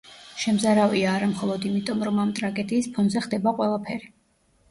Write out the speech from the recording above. შემზარავია არა მხოლოდ იმიტომ, რომ ამ ტრაგედიის ფონზე ხდება ყველაფერი.